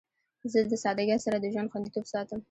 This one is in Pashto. زه د سادگی سره د ژوند خوندیتوب ساتم.